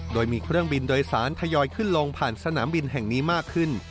โดยมีเครื่องบินโดยสารทยอยขึ้นลงผ่านสนามบินแห่งนี้มากขึ้น